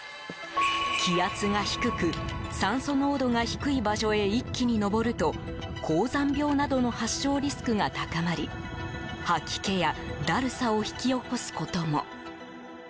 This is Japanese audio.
気圧が低く酸素濃度が低い場所へ一気に登ると高山病などの発症リスクが高まり吐き気や、だるさを引き起こすことも。